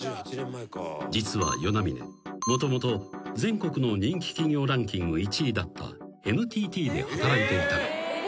［実は與那嶺もともと全国の人気企業ランキング１位だったＮＴＴで働いていた］